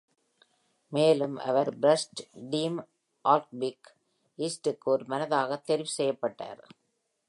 மேலும், அவர் first team all big ஈஸ்டுக்கு ஒருமனதாக தேர்வு செய்யப்பட்டார்.